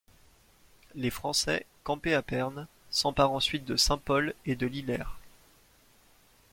Les Français, campés à Pernes, s'emparent ensuite de Saint-Pol et de Lillers.